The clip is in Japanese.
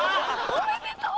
おめでとう。